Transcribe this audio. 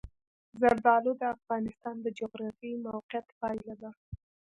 زردالو د افغانستان د جغرافیایي موقیعت پایله ده.